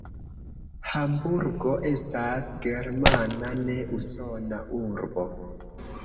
Hamburgo estas germana, ne usona urbo.